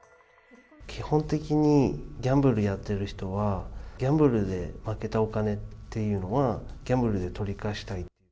基本的にギャンブルやってる人は、ギャンブルで負けたお金っていうのは、ギャンブルで取り返したい。